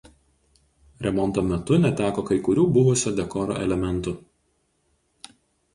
Remonto metu neteko kai kurių buvusio dekoro elementų.